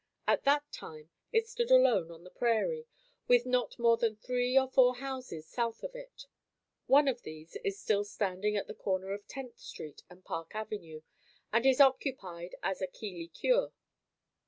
At that time it stood alone on the prairie with not more than three or four houses south of it. One of these is still standing at the corner of Tenth Street and Park Avenue and is occupied as a "Keeley Cure."